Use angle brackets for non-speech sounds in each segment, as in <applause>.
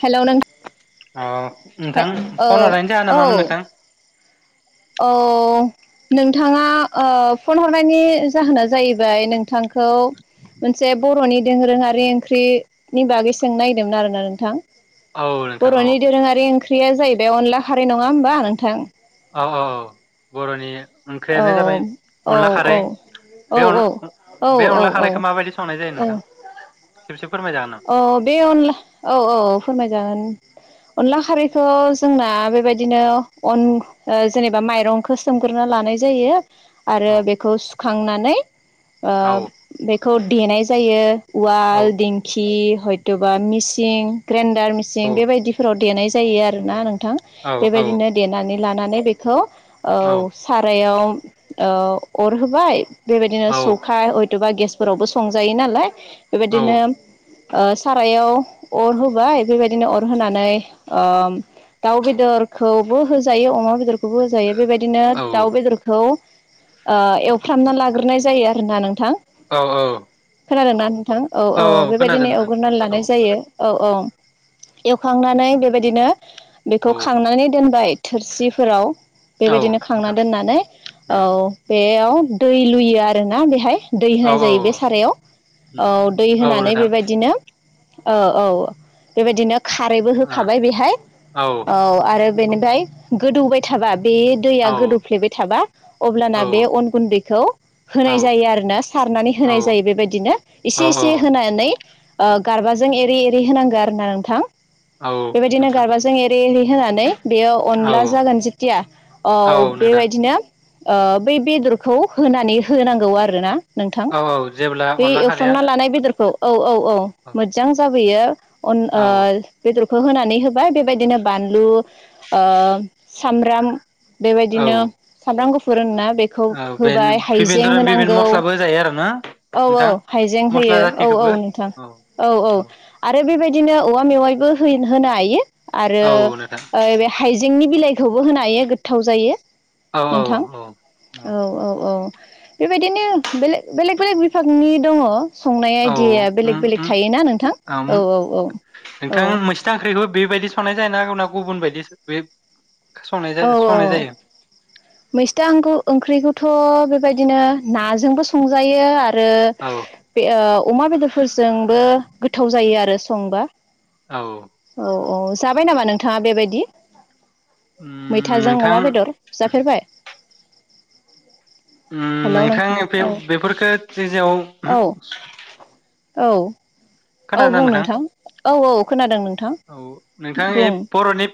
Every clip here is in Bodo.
हेलौ नों औ नोंथां औ फन हरनायनि जाहोना औ मामोन नोंथां औ नोंथाङा फन हरनायनि जाहोना जाहैबाय नोंथांखौ मोनसे बरनि दोरोंङारि ओंख्रिनि बागै सों नायदोंमोन आरोना नोंथां औ नोंथां औ बरनि दोरोंङारि ओंख्रि या जाहैबाय अनदला खारै नंङा होमबा नोंथां औ औ औ बरनि औ ओंख्रियानो जाबाय औ अनला खारै औ औ बे औ बे औ अनला औ खारैखौ माबायदि संनाय जायो औ नोंथां खेबसे फोरमायजागोन नामा? औ बे अनला औ औ फोरमायजागोन। अनला खारैखौ जोंना बेबायदिनो अन जेनेबा माइरंखौ सोमग्रोना लानाय जायो। औ आरो बेखौ सुखांनानै ओ औ बेखौ देनाय जायो औ उवाल दिं खि हयथबा मिसिन ग्रेन्डार औ मिसिन बेबायदिफोराव देनाय जायो आर ना नों थां औ औ बेबायदिनो देनानै लानानै बेखौ औ सारायाव ओ अर होबाय बेबायदिनो औ सौखाय हयथबा गेसफोरावबो संजायो नालाय औ बेबायदिनो सारायाव अर होबाय बेबायदिनो अर होनानै दाउ ओ बेदरखौबो होजायो अमा बेदर बेदरखौबो होजायो बेबायदिनो औ दाउ बेदरखौ ओ एवफ्रामना लाग्रोनाय जायो। फोरा नोंथां <unintelligible> औ औ खोनादों ना नों थां औ औ बे खोनादों बेबायदिनो नोंथां एवग्रोननानै औ लानाय जायो औ औ एवखांनानै बेबायदिनो बेखौ औ खांनानै दोनबाय थोरसिफोराव औ बेबायदिनो खांना नोंथां दोननानै औ उम बे आव दै लुयो आरोना बेहाय दै औ होनाय औ जायो बे औ सारायाव उम औ दै औ होनानै बे नोंथां औ औ बेबायदिनो खारैबो होखाबाय बेहाय ओ औ आरो बेनिफाय गोदौबाय थाबा बे दैया औ गोदौफ्लेबाय थाबा औ अब्लाना बे अन गुन्दैखौ औ होनाय जायो आरोना सारनानै औ होनाय जायो बेबायदिनो औ एसे एसे होनानै ओ गारबाजों एरै एरै होनांगौ आरो ना नोंथां। औ बेबायदिनो नोंथां गारबाजों एरै एरै होनानै बेयो औ अनला जागोन जिथिया औ बेबायदिनो ओ बै बेदरखौ होनानै होनांगौ आरो ना। नोंथां औ औ जेब्ला बे अनला खारैया एवफ्रामना लानाय बेदरखौ औ औ औ मोजां जाब बेैयो उन औ ओ बेदर खौ होनानै होबाय बेबायदिनो बानलु ओ सामब्राम औ बेबायदिनो सामब्राम गुफुर फोरुना बेखौ औ बे होबाय हाइजें बिबेन्दर बिबिन होनांगौ मस्लाबो होजायो आरो ना औ औ नोंथां हाइजें मस्ला होयो। औ औ जाथिखौबो नोंथां औ औ आरो बेबायदि दिनो औवा मेवाइबो होयो होनो हायो। आरो औ नोंथां ओ बे हाइजें जेंनि बिलाइखौबो होनो हायो गोथाव जायो। औ औ नोंथां औ -औ- औ। बे बायदिनो बेे -बेलेक- बेलेग बिभागनि दङ संनाय औ दैया उम बेलेग -बेलेग उम थायोना नोंथां ओम औ- औ -औ -औ। बे बायदि संनाय जायो ना गुबुन बायदि <unintelligible> जा औ- औ संनाय जायो मैस्थांखौ ओंख्रिखौथ' बे बे बायदिनो नाजोंबो संजायो आरो आरो ओ औ बे अमा बेदरफोरजोंबो गोथाव जायो आरो। आरो संबा औ। अ जाबाय नामा नोंथाङा बेबायदि? उम मैथाजों नोंथां अमा बेदर जाफेरबाय? होम हेलौ नोंथां औ बेफोरखौ जेजेराव औ औ। औ बुं नोंथां औ -औ खोनादों नोंथां औ नोंथां ए बुं। बर'नि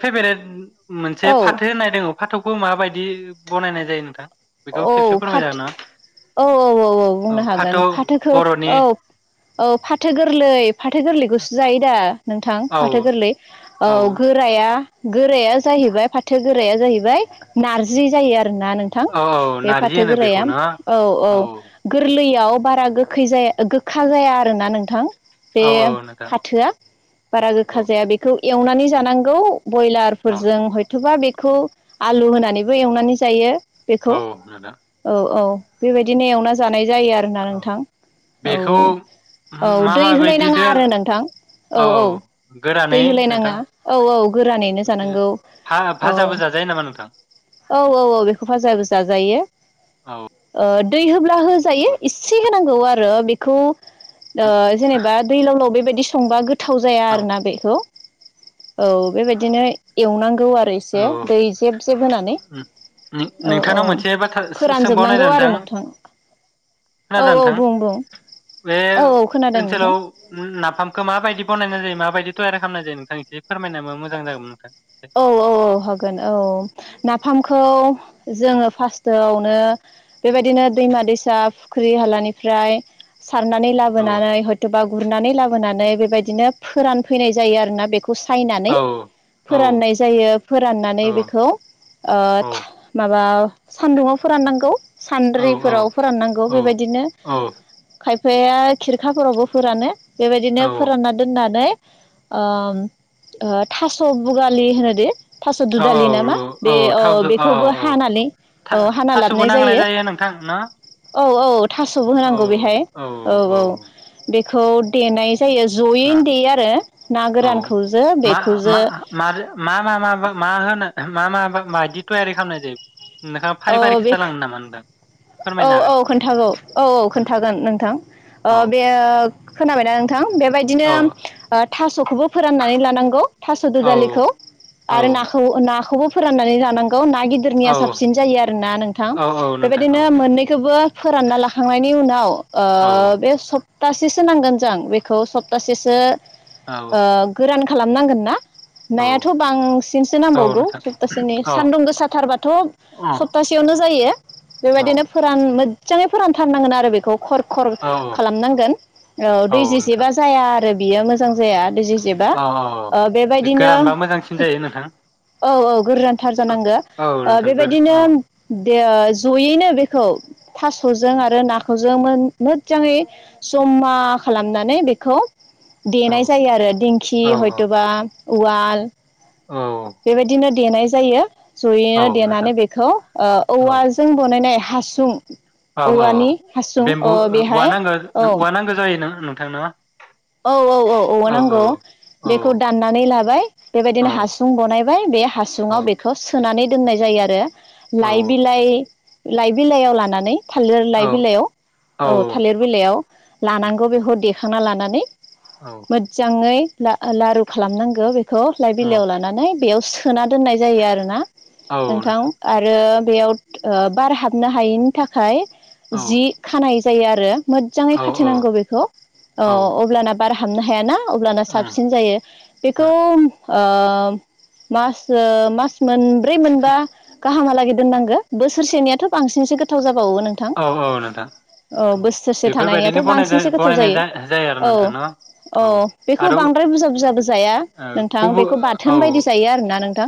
<unintelligible> मोनसे औ फाथो होननाय दङ। फाथौखौ माबायदि बनायनाय जायो नोंथां? बेखौ औ खेबसे फोरमायजागोन ना फाथो औ -औ औ -औ बुंनो हागोन फाथोखौ बर'नि औ। औ फाथो गोरलै फाथो गोरलैखौसो जायो दा नोंथां औ फाथो गोरलै औ गोराया गोराया जाहैबाय फाथो गोराया जाहैबाय नारजि जायो आरोना नोंथां। औ बे नारजि फाथो होनो बेखौ गोराया ना औ -औ गोरलैयै बारा गोैखै गोखा जाया आरो ना नोंथां। बे औ औ नोंथां फाथोआ बारा औ गोखा जाया बेखौ एवनानै जानांगौ। ब्रयलारफोरजों हयथ'बा बे <unintelligible> आलु होनानैबो एवनानै जायो। बेखौ औ नोंथां औ- औ। बे बायदिनो एवना जानाय जायो ना आरो ना‌ औ नोंथां औ बेखौ -औ -औ मा दै होलाय नाङा माबायदिदो आरो ना नोंथां औ -औ गोरानै दै होलाय नोंथां नाङा औ- औ गोरानैनो जानांगौ औ भाजाबो जाजायो नामा नोंथां -औ -औ -औ बेखौ फाजाबो जाजायो औ ओद दै होंडा होजायो इसे होनांगो औ आरो बेखौ ओ जेनेबा दैलांलाव बेबायदि संबा गोद गोथाव जाया औ आरोना बेखौ औ बेबायदिनो एवनां गौ आरो एसे औ दै जेब जेब होनानै औ औ नोंथांनाव मोनसे बाथ्रा फोरानजोबनांगौ सोंबावनायदों आरो नोंथां औ खोनादों औ नोंथां? बुं बुं बे औ औ खोनादों नोंथां ओनसोलाव नाफामखौ माबायदि बनाय नाय जायो माबायदि थयारि खालामनाय जायो नोंथां एसे फोरमायना होबा मोजां जागोन नोंथां। औ औ औ हागोन औ नाफामखौ जोङो फार्स्टआवनो बेबायदिनो दैमा दैसा फुख्रि हालानिफ्राय सारनानै औ लाबोनानै हयथ'बा गुरनानै लाबोनानै बेबायदिनो फोरानफैनाय जायो आरोना बेखौ सायनानै औ औ फोराननाय जायो फोराननानै औ बेखौ ओ औ माबा माबा सान्दुुङाव फोराननांगौ औ औ सान्द्रिफोराव फोराननांगौ बेबायदिनो खाय बिफाया खिरखाफोरावबो फोरानो बेबायदिनो औ फोरानना दोननानै थास स बुगाललि होनो दो औ औ औ थ' औ बेखौबो औ हानानै थ औ हाना थास'बो लाबोनाय नांनाय जायो नोंथां ना? औ औ थास'बो औ होनांगौ बेहाय औ औ बे खौ देनाय जायो जयैनो देयो आरो ना गोरानखौजो बेखौजो म मा मा मा मा होनो मा मा मायदि थयारि खालामनाय जायो नोंथाङा औ फारि फारि बे खिथालांनो नामा नोंथां औ फोरमायनो औ हागोन खोन्थागौ औ औ उम खोन्थागोन नोंथां औ बे खोनाबायना नोंथां? थ औ बेबायदिनो थासखौबो फोराननानै लानांगौ थास' औ दुजालिखौ औ आरो नाखौ नाखौबो फोराननानै जानांगौ गौ औ नागिदिरनिया साबसि सिन जायो आरोना नोंथां औ औ नोंथां औ बेबायदिनो मोननैखौबो फोरानना लाखांनायनि उनाव औ ओ बे सब तासेसो नांगोन जों बेखौ सप्तासेसो औ ओ गोरान खालामनांगोन ना औ नायाथ' बांसिनसो औ नांबावगौ नोंथां सप्तासेनि औ सान्दुं गोसाथारबाथ' अ सप्तासेयावनो जायो औ औ बेबायदिनो फोरान मोज्जाङै फोरानथारनांगोन आरो बेखौ खर खर नोंथां खालामनांगोन औ दै जेसेबा जाया आरो बियो मोजां जाया। दै जिजेबा औ ओ एसे बेबायदिनो गोरानबा मोजांसिन फो जायो नोंथां औ औ गोरोनथार जानांगो औ ओ नोंथां गोर बेबायदिनो औ दे ओ जयैनो बेखौ थास'जों औ आरो नाखौ जों मोन-मोज्जाङै जम्मा खालामनानै बेखौ औ देनाय जायो आरो दिंखि औ हयट'बा उवाल औ बेबायदिनो देनाय जायो औ जयैनो नोंथां देनानै बेखौ ओ औ औवाजों बनायनाय हासुं औ औ औ औवानि हासुं अ बेम्बु ओ बेहाय औवानांगोन औ नो वा नांगो जायो नों नोंथांन' औ औ औ औवा नांगौ औ बेखौ दाननानै लाबाय औ बेबायदिनो हासुं बनायबाय बे औ हासुङाव बेखौ सोनानै दोननाय जायो आरो। औ लाइ बिलाइ‌ लाइ बिलाइयाव लानानै थालिर औ लाइ बिलाइयाव औ थालिर बिलाइयाव लानांगौ बेखौ देखांना लानानै मोज्जाङै ला-लारु खालामनांगौ बेख‌ खौ लाइ बिलाइयाव लानानै बेयाव सोना दोननाय जायो आरोना। नोंथां आरो बेयाव बार हाबनो हायैनि थाखाय - औ जि खानाय जायो आरो। मोजाङै औ खाथेनांगौ बेखौ ओ औ होमबाना बार हाबनो हायाना। अब्लाना उम साबसिन जायो बेखौ उम ओ मास मास मोन ब्रै मोनबा गाहामालागै दोननांगो बोसोरसेनियाथ बांसिनसो गोथाव जाबा औ औ नोंथां औ बोसोरसे बेफोरबायदिनो बुंनाय जायो बनायनाय जायो आरो नोंथां। अ न औ बेखौ आरो बांद्राय बुरजा बुरजाबो जाया ओ नोंथां गुबु बेखौ औ बाथोन बायदि जायो आरोना। नोंथां।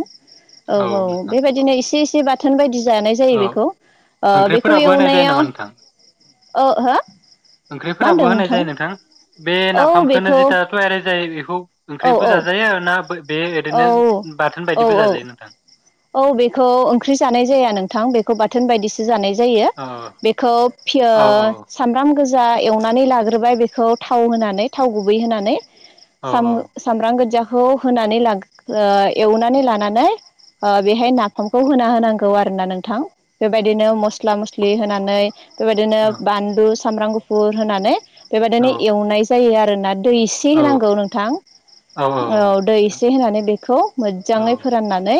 औ औ बेबायदिनो एसे एसे बाथ थोन बायदि जानाय जायो औ बेखौ ओ बेखौ ओंख्रिफोराबो होनाय जायो नामा एवनायाव नोंथां ओ हो मा ओंख्रिफोराबो होनदों होनाय नोंथां। जायो बे औ नाफामखौनो बेखौ जिता औ तयारै जायो बेखौ ओंख्रिबो औ जाजायो आरो ना। बे औ ओरैनो बाथोन औ बायदिबो औ जाजायो नोंथां। औ बेखौ ओंख्रि जानाय जाया नोंथां बेखौ बाथोन बायदिसो जानाय जायो औ बेखौ फिय औ सामब्राम गो जा एवनानै लाग्रोबाय बेखौ थाव होनानै थाव गुबै होनानै औ साम समरांगोजा खौ होनानै लाग एवनानै लानानै बेहाय नाफामखौ होना होनांगौ आरो ना नोंथां बेबायदिनो मस्ला मस्लि होनानै बेबायदिनो औ बानलु सामब्राम गुफुर होनानै औ बेबायदिनो एवनाय जायो आरो। <unintelligible> दै एसे औ होनांगौ नोंथां औ दै एसे होनानै बेखौ मोजाङै फोराननानै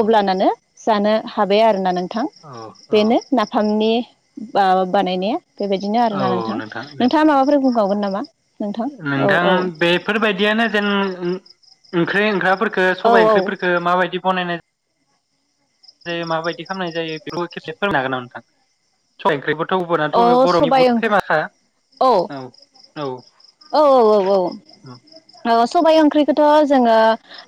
अब्लानानो जानो हाबाय आरोना नों थां औ औ बेनो नाफामनि बा बानायनायआ बेबायदिनो आरोना औ नोंथां दे नोंथाङा माबाफोर बुं बावगोन नामा नोंथां औ नोंथां औ बेफोरबायदियानो जेन ओंख्रि ओंख्राफोर खो औ सबाय औ ओंख्रिफोरखौ माबायदि बनायनाय जायो माबायदि खालामनाय जायो बेखौ खेबसे फोरोंनो हागोन नामा नोंथां सय ओंख्रि अ <unintelligible> बर'नि सबाइ बहुद ओंख्रि फेमासखा औ औ औ औ औ औ औ सबाय ओंख्रिखौथ' जोङो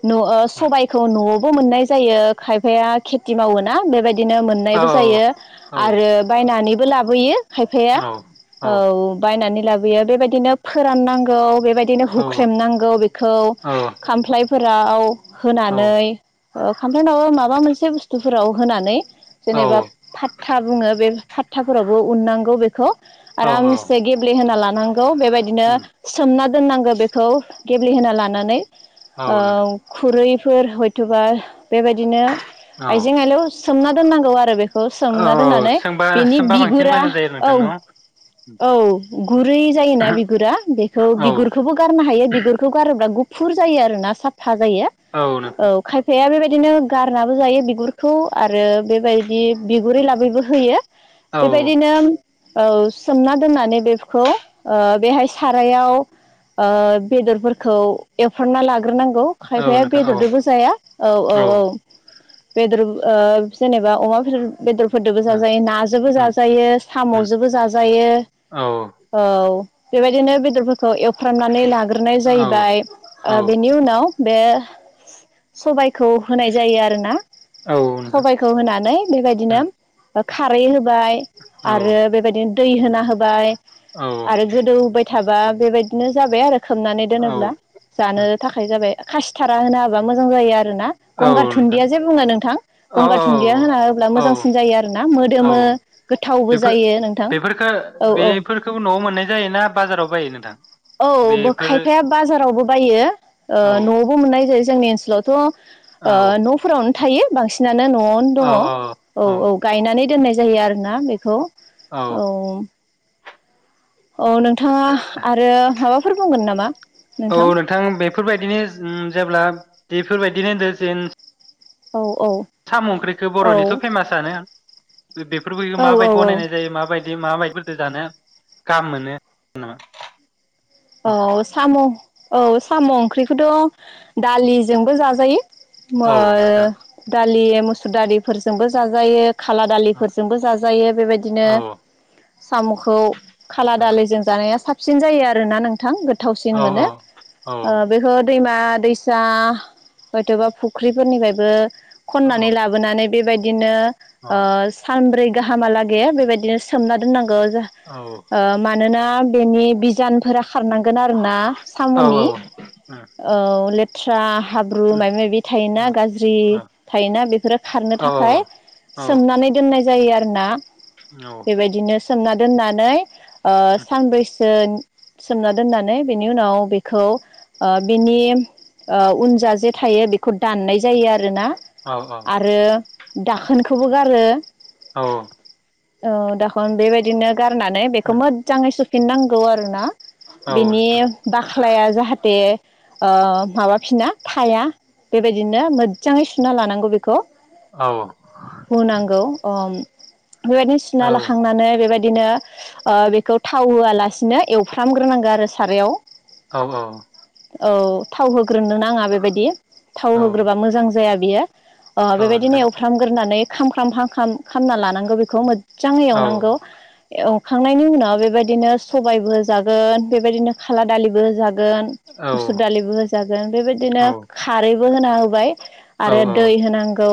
न सबायखौ न'आव मोननाय जायो खायफाया खेथि मावोना बेबायदि बिदिनो मोननायबो औ जायो औ आरो बायनानै बो लाबोयो खायफाया औ बायनानै लाबोयो बेबायदिनो फोराननांगौ बे बेबायदिनो औ हुख्रेमनांगौ बेखौ खामफलाय फोराव औ होनानै औ खामप्लाय नंङाबा माबा मोनसे बुस्थुफोराव होनानै जेनेबा औ फाथ था बुङो बे फात्ताफोरावबो उननांगौ बेखौ औ औ आरामसे गेब्लेहोना लाना नांगौ बे बिदिनो उम सोमना दोननांगौ बेखौ गेब्लेहोना लानानै औ खुरै फोर हयथ'बा बेबायदिनो औ आइजें आलायाव सोमना दोननांगौ आरो बे खौ औ सोमना औ दोननानै सोंबा बेनि सोंबा बांसिन बिगुरा मोजां जायो औ नोंथां न' औ गुरै जायोना गुरा बेखौ औ बिगुरखौबो गारनो हायो बिगुरखौ गारोब्ला गु फुर जायो आरोना साफ फा जायो औ खायफाया बेबाय दिनो गारनाबो जायो बिगुरखौ आरो बेबायदि बिगुरै लाबैबो होयो। औ बेबायदिनो औ सोमना दोननानै बेफखौ ओ बेहाय सारायाव ओ बेदरफोरखौ एवफ्रामना ला ग्रोनांगौ औ खायफाया नोंथां औ बेदरदोबो जाया औ औ औ बेदर ओ जेनेबा अमा बेदर बेदरफोरदोबो जाजायो नाजोबो उम जाजायो उम साम'जोबो जाजायो। औ बेबायदिनो बेदरफोर खौ एवफ्रामनानै लाग्रोनाय औ जाहैबाय औ ओ बेनि उनाव बे सबाइ खौ होनाय जायो आरोना औ नोंथां सबायखौ होनानै बेबायदिनो उम खारै होब बाय औ आरो बेबायदिनो दै होना होबाय औ बाय थाबा बेबायदिनो जाबाय आरो खोबनानै औ दोनोब्ला जानो उम थाखाय जाबाय। खासिथारा होना हाब्ला मोजां जायो आ रो ना औ गंगार नोंथां धुन्दिया जे बुङो नोंथां औ गंगार धुन्दिया होना होब्ला औ मोजांसिन जायो आरोना मोदोमो औ गोथावबो बेफोर जायो नोंथां बेफोरखो औ औ बेफोरखौ न'आव मोननाय जायोना बाजाराव बायो नोंथां औबो बेफोरो खायफाया बाजारावबो बायो ओ औ न'आवबो मोननाय जायो। जोंनि ओनसोलावथ' औ ओ न'फोरावनो थायो बांसिना नो न'आवनो दङ औ औ गायनानै दोननाय जायो आरोना बेखौ औ औ नोंथाङा आरो माबा फोर बुंगोन नामा औ नोंथां बेफोरबायदिनो ओम जेब्ला बेफोरबायदिनो दा जेन औ साम' ओंख्रिखौ औ बर'निथ' फेमासानो बेफोर बैखौ औ औ माबायदि औ बनायनाय जायो माबायदि दे मा बायदिफोरजो जानो गाहाम मोनो नोंथां औ साम' औ साम' ओंख्रि फुदं' दालिजोंबो जाजायो मा औ नोंथां दाद दालि मुसुर दालिफोरजोंबो जाजायो खाला औ दालिफोरजोंबो जाजायो औ बेबायदिनो साम'खौ खाला औ दालिजों जानाया साख साबसिन जायो आरो आरो ना नोंथां गो औ गोथावसिन मोनो औ ओ बेखौ दैमा दैसा हयथ'बा फुख्रिफोरनिफ्रायबो औ खननानै लाबोनानै बेबायदिनो औ ओ सानब्रै गाहामालागै बेबायदिनो सोमना दोननांगौ औ म <unintelligible> मानोना बेनि बिजान फोरा खारनांगोन आरोना औ साम'नि औ थ्रा हाब्रु औ माबि माबि थायोना नोंथां गाज्रि थायोना बेफोरो खारनो औ थाखाय औ सोमनानै दोननाय जायो आरो ना नोंथां बेबायदिनो सोंना दोननानै ओ सानब्रै थोन सोमना दोननानै बेनि उनाव बेखौ ओ बिनि ओ उनजा जे थायो बेखौ दाननाय जायो आरोना औ आरो दाखोनखौबो गारो औ औ ओ दाखन बेबायदिनो गारनानै बेखौ मोदजाङै सु फिननांगौ आर रोना बेनि बाख्लाया जाहाथे ओ माबाफिना थाया बेबायदिनो मोदजाङै सुना लानांगौ बेखौ हुनांगौ अम बेबायदिनो सुना लाखांनानै बेबायद दिनो बेखौ थाव होआलासिनो एवफ्रामग्रोनांगो आरो सारायाव औ औ औ थाव होग्रोनो नाङा बेबायदि थाव होग्रोबा मोजां जाया बियो ओ बेबायदिनो एवफ्रामगोरनानै खामफ्राम खांखाम खामना लानांगौ बेखौ मोद जाङै एवनांगौ एवखांनायनि उनाव बेबायदिनो सबाइबो जागोन बेबायदिनो खाला दालिबो जाग गोन मुसुर दालिबो होजागोन बेबादिनो खारै बो होना होबाय औ आरो औ दै होनांगौ